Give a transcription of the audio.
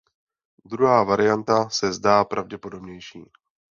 Druhá varianta se zdá pravděpodobnější.